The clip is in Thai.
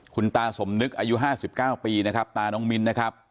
คุณตาสมนึกอายุ๕๙ปีนะครับตาน้องมิ้นนะครับ